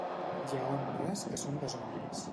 Hi ha honres que són deshonres.